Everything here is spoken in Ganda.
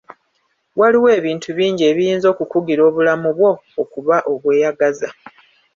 Waliwo ebintu bingi ebiyinza okukugira obulamu bwo okuba obweyagaza.